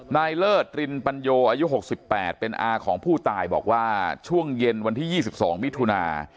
เลิศรินปัญโยอายุ๖๘เป็นอาของผู้ตายบอกว่าช่วงเย็นวันที่๒๒มิถุนา